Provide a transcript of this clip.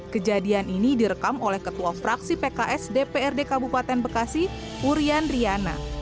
kejadian ini direkam oleh ketua fraksi pks dprd kabupaten bekasi urian riana